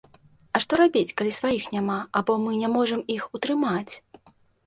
А што рабіць, калі сваіх няма або мы не можам іх утрымаць?